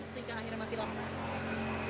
sehingga akhirnya mati lantai